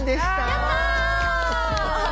やった！